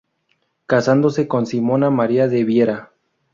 Casándose con Simona María de Viera.